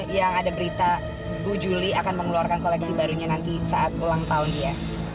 yang ada berita bu juli akan mengeluarkan koleksi barunya nanti saat ulang tahun dia